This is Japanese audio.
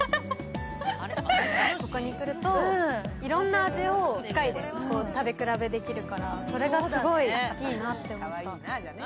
ここに来ると、いろんな味を１回で食べ比べできるからそれがすごい、いいなって思った。